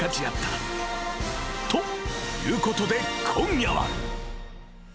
［ということで今夜は］